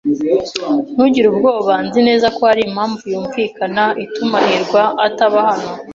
Ntugire ubwoba. Nzi neza ko hari impamvu yumvikana ituma hirwa ataba hano.